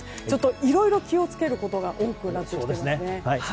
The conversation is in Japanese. いろいろ気を付けることが多くなってきていますね。